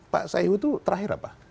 pak saihu itu terakhir apa